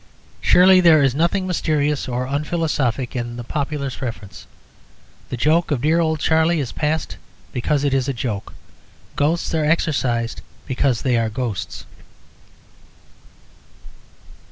Surely there is nothing mysterious or unphilosophic in the popular preference. The joke of "Dear Old Charlie" is passed because it is a joke. "Ghosts" are exorcised because they are ghosts.